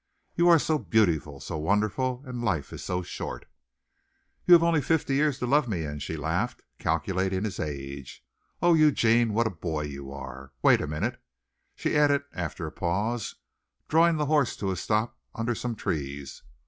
"You are so beautiful, so wonderful, and life is so short." "You have only fifty years to love me in," she laughed, calculating his age. "Oh, Eugene, what a boy you are! Wait a minute," she added after a pause, drawing the horse to a stop under some trees.